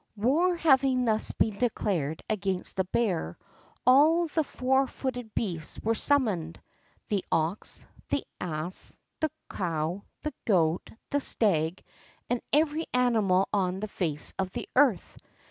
War having thus been declared against the bear, all the four footed beasts were summoned: the ox, the ass, the cow, the goat, the stag, and every animal on the face of the earth.